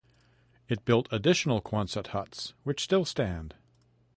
It built additional quonset huts, which still stand.